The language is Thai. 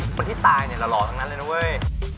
คนที่ตายเนี่ยหล่อทั้งนั้นเลยนะเว้ย